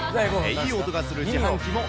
いい音がする自販機も。